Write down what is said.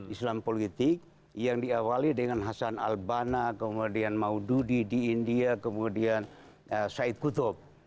islam politik yang diawali dengan hasan al bana kemudian maududi di india kemudian said kutub